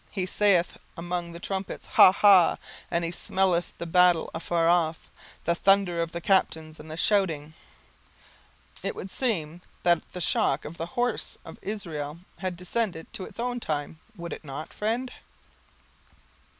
He saith among the trumpets, Ha, ha; and he smelleth the battle afar off, the thunder of the captains, and the shouting.' It would seem that the stock of the horse of Israel had descended to our own time; would it not, friend?"